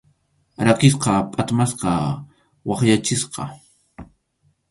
Rakisqa, phatmasqa, wakyachisqa.